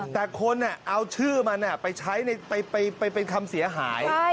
แต่คนเอาชื่อมันไปใช้ไปเป็นคำเสียหาย